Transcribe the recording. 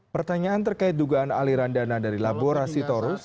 pertanyaan terkait dugaan aliran dana dari laborasi torus